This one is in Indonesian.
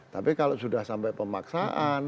tapi kalau sudah sampai pemaksaan